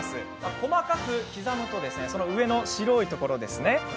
細かく刻むと上の白いところですね